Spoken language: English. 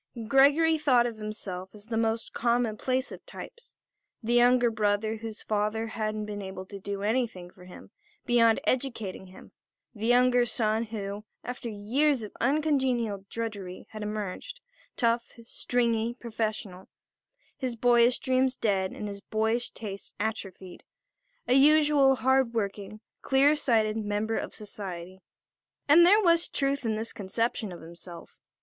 Gregory thought of himself as the most commonplace of types; the younger son whose father hadn't been able to do anything for him beyond educating him; the younger son who, after years of uncongenial drudgery had emerged, tough, stringy, professional, his boyish dreams dead and his boyish tastes atrophied; a useful hard working, clear sighted member of society. And there was truth in this conception of himself.